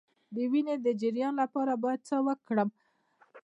د وینې د جریان لپاره باید څه وکړم؟